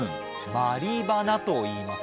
毬花といいます